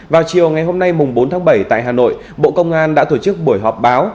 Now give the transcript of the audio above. vào chiều ngày hôm nay bốn tháng bảy tại hà nội bộ công an đã tổ chức buổi họp báo